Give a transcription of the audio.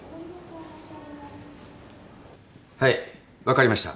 はい分かりました。